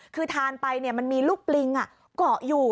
คือทานไปมันมีลูกปลิงเกาะอยู่